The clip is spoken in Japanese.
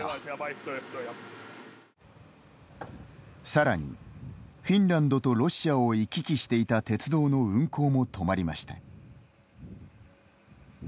さらにフィンランドとロシアを行き来していた鉄道の運行も止まりました。